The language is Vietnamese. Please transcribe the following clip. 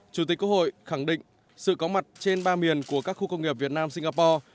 chủ tịch quốc hội khẳng định sự có mặt trên ba miền của các khu công nghiệp việt nam singapore